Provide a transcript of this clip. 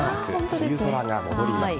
梅雨空が戻ります。